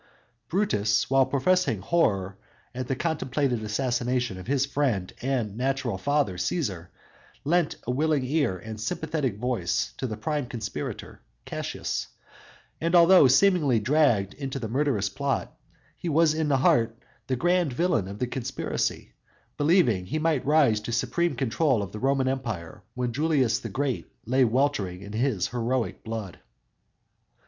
Brutus, while professing horror at the contemplated assassination of his friend and natural father Cæsar, lent a willing ear and sympathetic voice to the prime conspirator Cassius; and although seemingly dragged into the murderous plot, he was in heart the grand villain of the conspiracy, believing he might rise to supreme control of the Roman Empire when Julius the Great lay weltering in his heroic blood.